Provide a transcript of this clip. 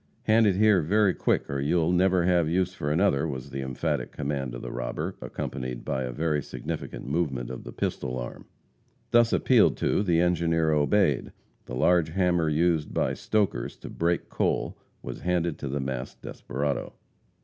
"Hand it here very quick, or you'll never have use for another," was the emphatic command of the robber, accompanied by a very significant movement of the pistol arm. Thus appealed to, the engineer obeyed. The large hammer used by stokers to break coal was handed to the masked desperado.